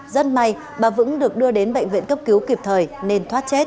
rất may bà vững được đưa đến bệnh viện cấp cứu kịp thời nên thoát chết